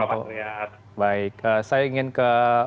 saya ingin ke